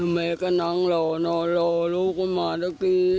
แม่ก็นั่งรอนอนรอลูกมาเมื่อกี้